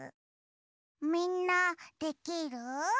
みんなできる？